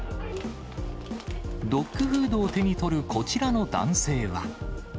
ドックフードを手に取るこちらの男性は。